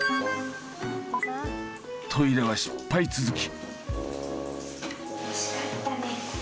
トイレは失敗続き。